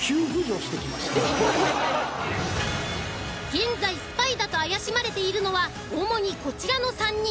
現在スパイだと怪しまれているのは主にこちらの３人。